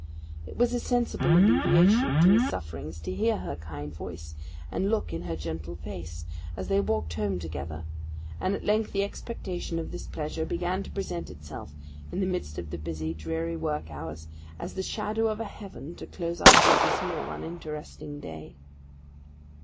It was a sensible alleviation to his sufferings to hear her kind voice, and look in her gentle face, as they walked home together; and at length the expectation of this pleasure began to present itself, in the midst of the busy, dreary work hours, as the shadow of a heaven to close up the dismal, uninteresting day.